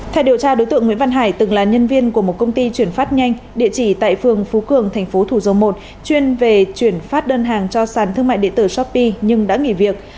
theo điều tra đối tượng nguyễn văn hải từng là nhân viên của một công ty chuyển phát nhanh địa chỉ tại phường phú cường tp thủ dầu một chuyên về chuyển phát đơn hàng cho sản thương mại điện tử shopee nhưng đã nghỉ việc